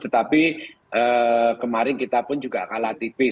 tetapi kemarin kita pun juga kalah tipis